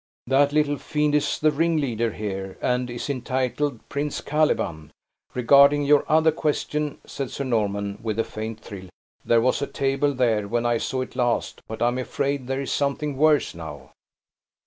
"That little fiend is the ringleader here, and is entitled Prince Caliban. Regarding your other question," said Sir Norman, with a faint thrill, "there was a table there when I saw it last, but I am afraid there is something worse now."